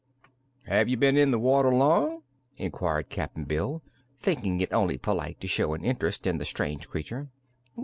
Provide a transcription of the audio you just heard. "Have you been in the water long?" inquired Cap'n Bill, thinking it only polite to show an interest in the strange creature.